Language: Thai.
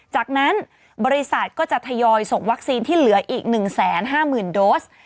จากนั้นบริษัทก็จะทยอยส่งวัคซีนที่เหลืออีก๑๕๐๐๐โดส